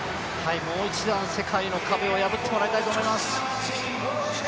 もう一度、世界の壁を破ってもらいたいと思います。